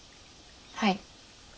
はい。